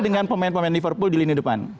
dengan pemain pemain liverpool di lini depan